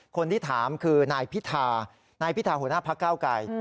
คนที่ถามคือนายพิธานายพิธาหัวหน้าพักเก้าไกร